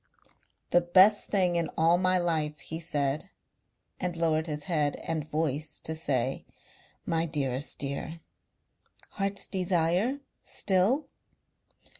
"The best thing in all my life," he said, and lowered his head and voice to say: "My dearest dear." "Heart's desire still